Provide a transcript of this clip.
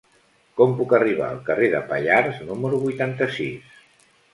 Com puc arribar al carrer de Pallars número vuitanta-sis?